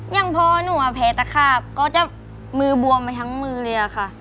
อย่างพอหนูแพ้ตะขาบก็จะมือบวมไปทั้งมือเลยค่ะ